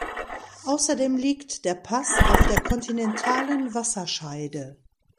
Außerdem liegt der Pass auf der Kontinentalen Wasserscheide.